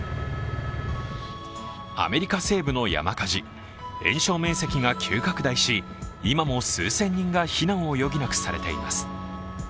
アメリカ西部の山火事、延焼面積が急拡大し今も数千人が避難を余儀なくされています。